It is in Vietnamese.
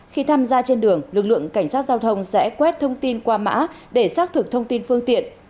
khi tham gia trên đường lực lượng cảnh sát giao thông sẽ quét thông tin qua mã để xác thực thông tin phương tiện